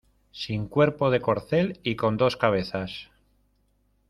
sin cuerpo de corcel y con dos cabezas.